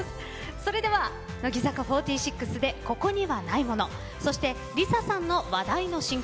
それでは乃木坂４６で「ここにはないもの」そしてＬｉＳＡさんの話題の新曲